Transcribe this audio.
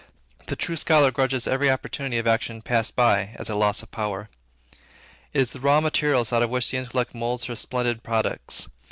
The true scholar grudges every opportunity of action past by, as a loss of power. It is the raw material out of which the intellect moulds her splendid products.